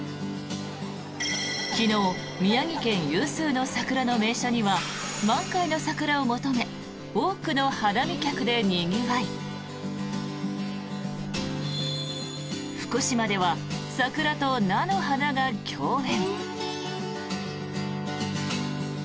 昨日、宮城県有数の桜の名所には満開の桜を求め多くの花見客でにぎわい福島では桜と菜の花が共演。